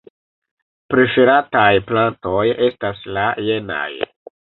Preferataj plantoj estas la jenaj.